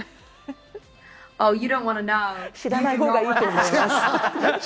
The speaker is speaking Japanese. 知らないほうがいいと思います。